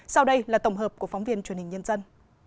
sau đây là tổng hợp của phóng viên truyền hình nhân dân